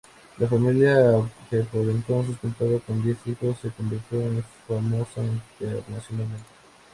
La familia, que por entonces contaba con diez hijos, se convirtió en famosa internacionalmente.